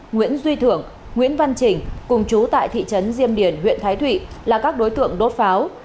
nguyễn duy thưởng nguyễn văn trình cùng chú tại thị trấn diêm điền huyện thái thụy là các đối tượng đốt pháo